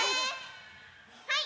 はい！